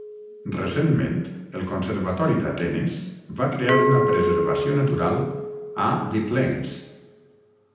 Recentment, el Conservatori d'Atenes va crear una preservació natural a The Plains.